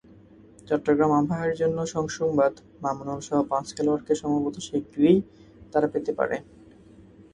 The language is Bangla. চট্টগ্রাম আবাহনীর জন্য সুসংবাদ, মামুনুলসহ পাঁচ খেলোয়াড়কে সম্ভবত শিগগিরই তারা পেতে পারে।